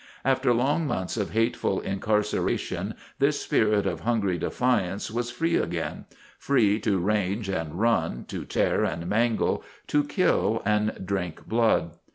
After long months of hateful incarceration this spirit of hungry defiance was free again free to range and run, to tear and mangle, to kill and drink blood.